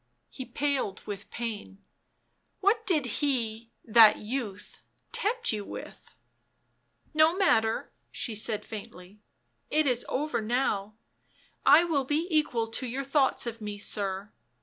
He paled with pain. " What did he — that youth — tempt you with ?"" No matter," she said faintly. " It is over now — I will be equal to your thoughts of me, sir.